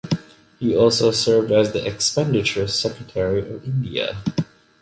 He also served as the Expenditure Secretary of India.